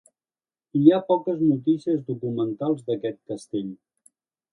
Hi ha poques notícies documentals d'aquest castell.